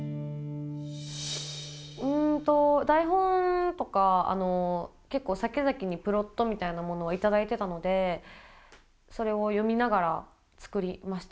うんと台本とか結構さきざきにプロットみたいなものは頂いてたのでそれを読みながら作りましたね。